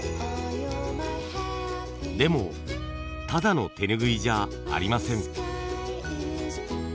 でもただの手ぬぐいじゃありません。